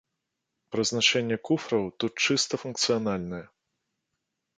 Прызначэнне куфраў тут чыста функцыянальнае.